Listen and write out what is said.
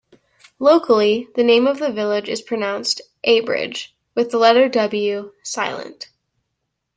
Locally, the name of the village is pronounced 'A-bridge', with the letter 'w' silent.